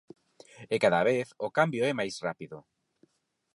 E cada vez o cambio é máis rápido.